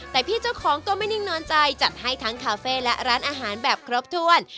แต่พี่เจ้าของก็ไม่นิ่งนอนใจจัดให้ทั้งคาเฟ่และร้านอาหารแบบครบถ้วน